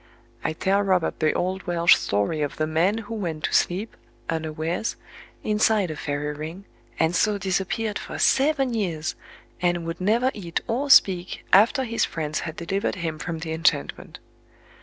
I tell Robert the old Welsh story of the man who went to sleep, unawares, inside a fairy ring, and so disappeared for seven years, and would never eat or speak after his friends had delivered him from the enchantment.